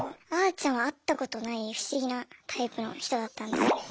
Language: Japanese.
ちゃんは会ったことない不思議なタイプの人だったんですよね。